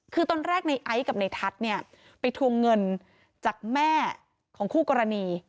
คือตอนแรกในไอซ์กับในทัศน์เนี่ยไปทวงเงินจากแม่ของคู่กรณี